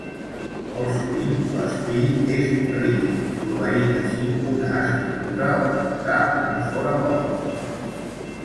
Molt sovint l'espill és rígid, proveint així una estructura on muntar un forabord.